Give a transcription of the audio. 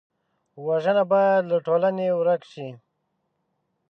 وژنه باید له ټولنې ورک شي